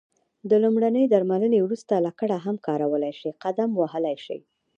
له لمرینې درملنې وروسته لکړه هم کارولای شې، قدم وهلای شې.